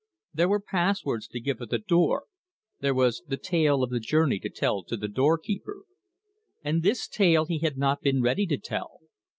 There were passwords to give at the door, there was the tale of the journey to tell to the door keeper. And this tale he had not been ready to tell.